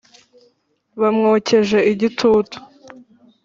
Bamwokeje igitutu